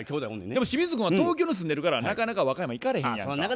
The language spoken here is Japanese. でも清水君は東京に住んでるからなかなか和歌山行かれへんやんか。